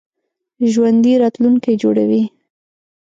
ژوندي راتلونکی جوړوي